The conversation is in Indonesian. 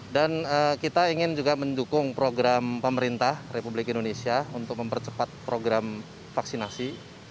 dan kita ingin juga mendukung program pemerintah republik indonesia untuk mempercepat program vaksinasi